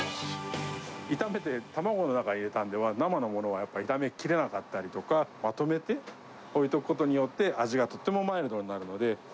炒めて卵の中に入れたのでは、生のものはやっぱり炒めきれなかったりとか、まとめて置いとくことによって、味がとってもマイルドになるので。